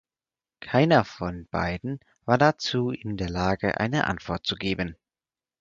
Keiner von beiden war dazu in der Lage, eine Antwort zu geben.